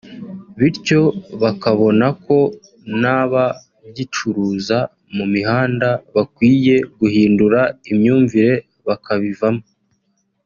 bityo bakabona ko n’abagicuruza mu mihanda bakwiye guhindura imyumvire bakabivamo